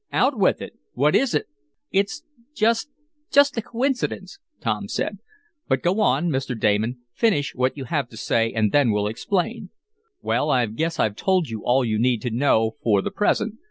Out with it! What is it?" "It's just just a coincidence," Tom said. "But go on, Mr. Damon. Finish what you have to say and then we'll explain." "Well, I guess I've told you all you need to know for the present.